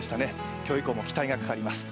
今日以降も期待がかかります。